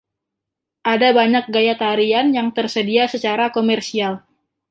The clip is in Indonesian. Ada banyak gaya tarian yang tersedia secara komersial.